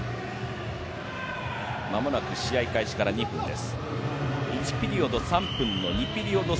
間もなく試合開始から２分です。